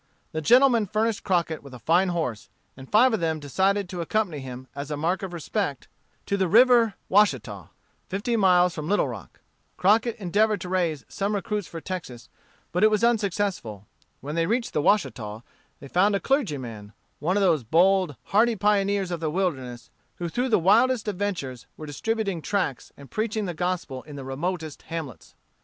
The gentlemen furnished Crockett with a fine horse, and five of them decided to accompany him, as a mark of respect, to the River Washita, fifty miles from Little Rock. Crockett endeavored to raise some recruits for Texas, but was unsuccessful. When they reached the Washita, they found a clergyman, one of those bold, hardy pioneers of the wilderness, who through the wildest adventures were distributing tracts and preaching the gospel in the remotest hamlets.